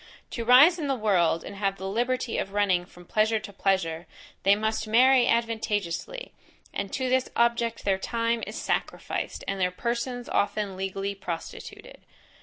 To rise in the world, and have the liberty of running from pleasure to pleasure, they must marry advantageously, and to this object their time is sacrificed, and their persons often legally prostituted.